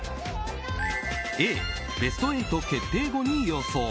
Ａ、ベスト８決定後に予想